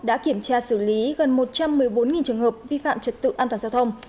đã kiểm tra xử lý gần một trăm một mươi bốn trường hợp vi phạm trật tự an toàn giao thông